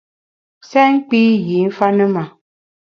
Sèn nkpi yî mfa ne ma!